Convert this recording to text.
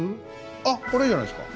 あっこれじゃないですか？